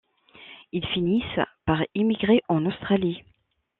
Ils finissent par émigrer en Australie.